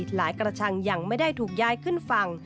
หลายกระชังยังไม่ได้ถูกย้ายขึ้นฝั่ง